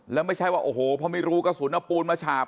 แล้วไม่ใช่ว่าโอ้โหพอไม่รู้กระสุนเอาปูนมาฉาบ